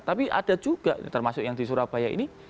tapi ada juga termasuk yang di surabaya ini